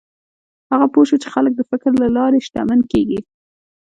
هغه پوه شو چې خلک د فکر له لارې شتمن کېږي.